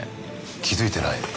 気付いてないね。